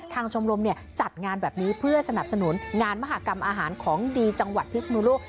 ชมรมจัดงานแบบนี้เพื่อสนับสนุนงานมหากรรมอาหารของดีจังหวัดพิศนุโลก